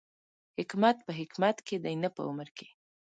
حکمت په حکمت کې دی، نه په عمر کې